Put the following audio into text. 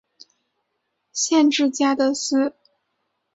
县治加的斯。